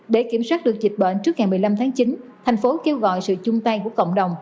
để kiểm soát được dịch bệnh trước ngày một mươi năm tháng chín thành phố kêu gọi sự chung tay của cộng đồng